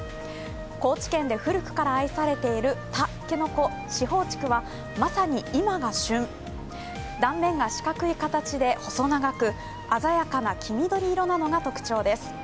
高知県で古くから愛されている竹の子四方竹はまさに今が旬、断面が四角い形で細長く鮮やかな黄緑色なのが特徴です。